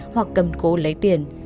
hoặc cầm cố lấy tiền